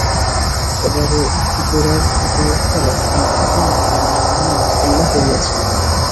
এবারে গোরার দু-একটা লক্ষণ দেখিয়া তিনি মনে মনে উৎফুল্ল হইয়াছিলেন।